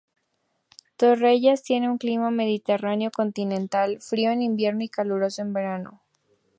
Torrellas tiene un clima Mediterráneo continental, frío en invierno y caluroso en verano.